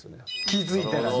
気付いたらね。